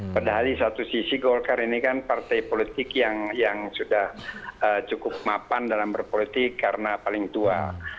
padahal di satu sisi golkar ini kan partai politik yang sudah cukup mapan dalam berpolitik karena paling tua